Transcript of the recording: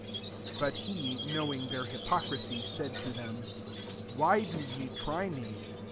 15 But he, knowing their hypocrisy, said to them Why do ye try me